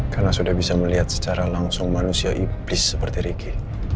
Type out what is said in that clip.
karena sudah bisa melihat secara langsung manusia iblis seperti riki